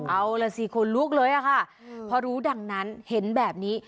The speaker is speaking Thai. เอาล่ะสิคนลุกเลยอะค่ะพอรู้ดังนั้นเห็นแบบนี้